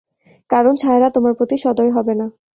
কারণ ছায়ারা তোমার প্রতি সদয় হবে না।